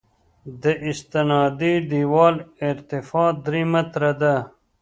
د استنادي دیوال ارتفاع درې متره ده